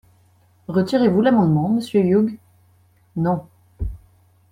Retirez-vous l’amendement, monsieur Huyghe ? Non.